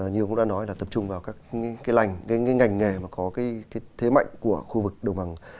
như cũng đã nói là tập trung vào các cái lành cái ngành nghề mà có cái thế mạnh của khu vực đồng bằng